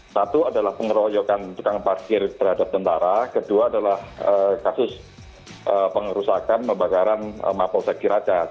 satu adalah pengeroyokan tukang parkir terhadap tentara kedua adalah kasus pengerusakan membakaran mapol sekciracas